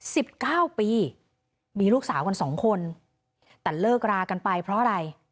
สิบเก้าปีมีลูกสาวกันสองคนแต่เลิกรากันไปเพราะอะไร